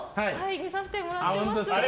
見させてもらってます。